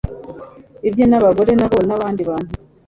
ibye n abagore na bo n abandi bantu